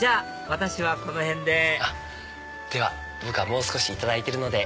私はこのへんででは僕はもう少しいただいてるので。